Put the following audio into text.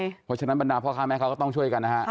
เพราะฉะนั้นบรรดาพ่อค้าแม่เขาก็ต้องช่วยกันนะฮะ